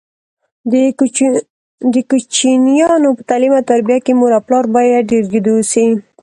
د کوچینیانو په تعلیم او تربیه کې مور او پلار باید ډېر جدي اوسي.